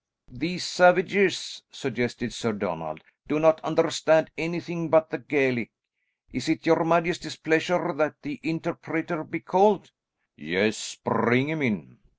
"These savages," suggested Sir Donald, "do not understand anything but the Gaelic. Is it your majesty's pleasure that the interpreter be called?" "Yes, bring him in."